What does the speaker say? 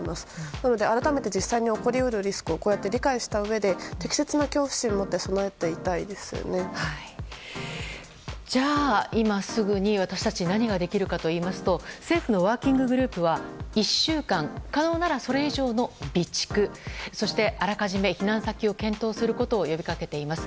なので、改めて実際に起こり得るリスクを理解したうえで適切な恐怖心を持ってじゃあ今すぐに私たちに何ができるかといいますと政府のワーキンググループは１週間、可能ならそれ以上の備蓄そして、あらかじめ避難先を検討することを呼び掛けています。